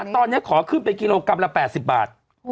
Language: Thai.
ตอนนี้ขอขึ้นไปกิโลกรัมละ๘๐บาท